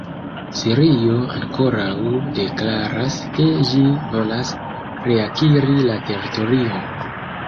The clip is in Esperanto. Sirio ankoraŭ deklaras, ke ĝi volas reakiri la teritorion.